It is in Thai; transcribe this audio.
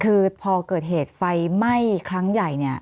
คือพอเกิดเหตุไฟไหม้ครั้งใหญ่เนี่ย